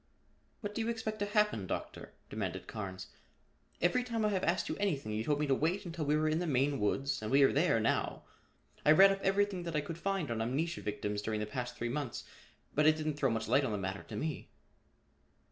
"What do you expect to happen, Doctor?" demanded Carnes. "Every time I have asked you anything you told me to wait until we were in the Maine woods and we are there now. I read up everything that I could find on amnesia victims during the past three months but it didn't throw much light on the matter to me."